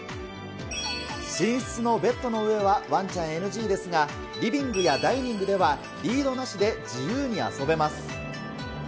寝室のベッドの上はワンちゃんＮＧですが、リビングやダイニングでは、リードなしで自由に遊べます。